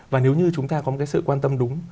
và nếu như chúng ta có một cái sự quan tâm đúng